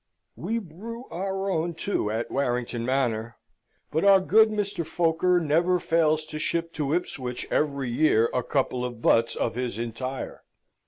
We brew our own too at Warrington Manor, but our good Mr. Foker never fails to ship to Ipswich every year a couple of butts of his entire.